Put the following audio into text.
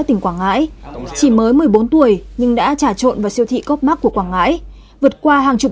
tỉnh quảng ngãi chỉ mới một mươi bốn tuổi nhưng đã trả trộn vào siêu thị copmark của quảng ngãi vượt qua hàng chục